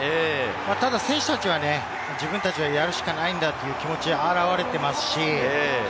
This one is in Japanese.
ただ選手たちは自分たちは、やるしかないんだという気持ちがあらわれています。